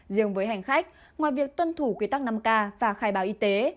riêng với hành khách ngoài việc tuân thủ quy tắc năm k và khai báo y tế